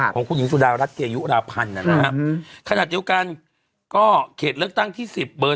ของคุณหญิงสุดาวรัฐเกยุอุดาพันธ์นะครับ